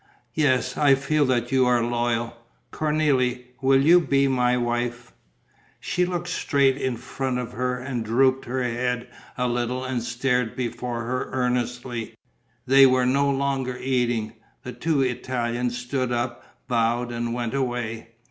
"Yes, I feel that you are loyal. Cornélie, will you be my wife?" She looked straight in front of her and drooped her head a little and stared before her earnestly. They were no longer eating. The two Italians stood up, bowed and went away.